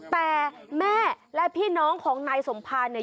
แต่แม่และพี่น้องของนายสมภารเนี่ย